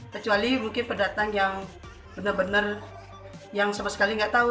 kecuali mungkin pendatang yang benar benar yang sama sekali nggak tahu